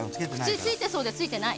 口についてそうでついてない。